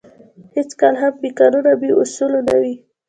هېڅکله هم بې قانونه او بې اُصولو نه وې.